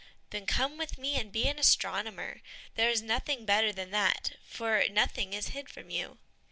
"Then come with me, and be an astronomer; there is nothing better than that, for nothing is hid from you."